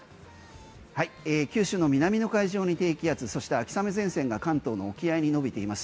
九州の南の海上に低気圧そして秋雨前線が関東の沖合に延びています。